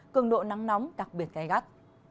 cường độ nắng nóng đặc biệt gai gắt